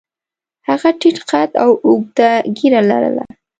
هغه ټیټ قد او اوږده ږیره لرله.